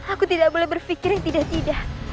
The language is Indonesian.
aku tidak boleh berpikir yang tidak tidak